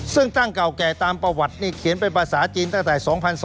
ซึ่งตั้งเก่าแก่ตามประวัตินี่เขียนเป็นภาษาจีนตั้งแต่๒๒